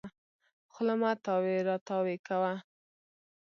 خوله مه تاوې راو تاوې کوه.